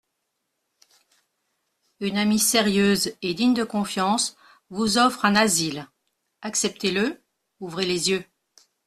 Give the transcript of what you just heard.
Une amie sérieuse et digne de confiance vous offre un asile, acceptez-le, ouvrez les yeux.